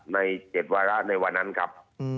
ใน๗วาระนี้ครับ